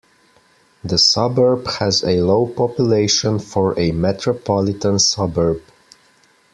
The suburb has a low population for a metropolitan suburb.